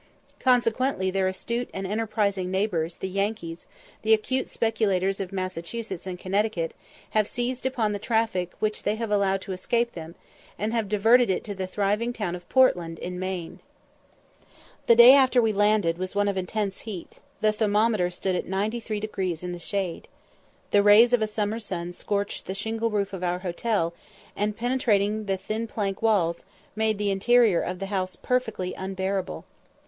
Consequently their astute and enterprising neighbours the Yankees, the acute speculators of Massachusetts and Connecticut, have seized upon the traffic which they have allowed to escape them, and have diverted it to the thriving town of Portland in Maine. The day after we landed was one of intense heat, the thermometer stood at 93° in the shade. The rays of a summer sun scorched the shingle roof of our hotel, and, penetrating the thin plank walls, made the interior of the house perfectly unbearable.